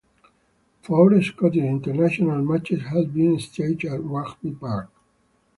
Four Scottish international matches have been staged at Rugby Park.